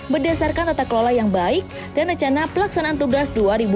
berdasarkan tata kelola yang baik dan rencana pelaksanaan tugas dua ribu dua puluh